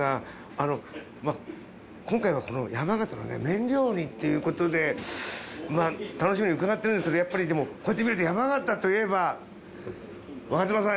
あの今回はこの山形のね麺料理っていうことで楽しみに伺ってるんですけどやっぱりでもこうやって見ると山形といえば我妻さん